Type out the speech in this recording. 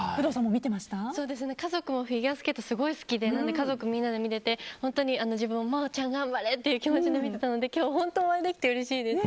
家族もフィギュアスケートがすごく好きで家族みんなで見てて、自分も真央ちゃん頑張れという気持ちで今日本当お会いできてうれしいです。